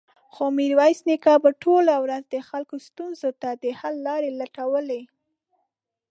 خو ميرويس نيکه به ټوله ورځ د خلکو ستونزو ته د حل لارې لټولې.